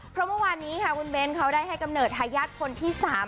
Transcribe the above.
เพราะเมื่อวานนี้ค่ะคุณเบ้นเขาได้ให้กำเนิดทายาทคนที่๓